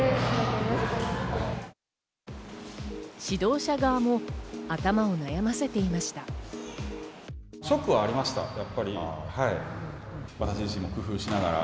指導者側も頭を悩ませていました。